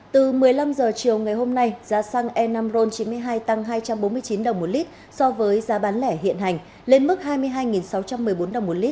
từ một mươi năm h chiều ngày hôm nay giá xăng e năm ron chín mươi hai tăng hai trăm bốn mươi chín đồng một lít so với giá bán lẻ hiện hành lên mức hai mươi hai sáu trăm một mươi bốn đồng một lít